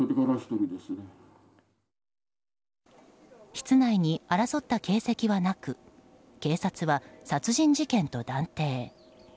室内に争った形跡はなく警察は殺人事件と断定。